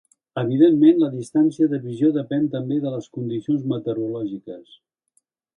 Evidentment, la distància de visió depèn també de les condicions meteorològiques.